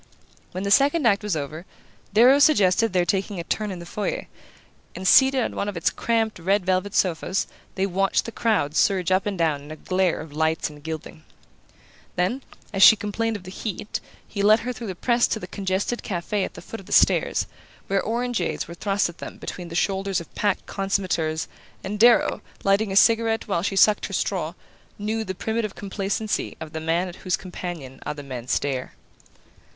When the second act was over, Darrow suggested their taking a turn in the foyer; and seated on one of its cramped red velvet sofas they watched the crowd surge up and down in a glare of lights and gilding. Then, as she complained of the heat, he led her through the press to the congested cafe at the foot of the stairs, where orangeades were thrust at them between the shoulders of packed consommateurs and Darrow, lighting a cigarette while she sucked her straw, knew the primitive complacency of the man at whose companion other men stare.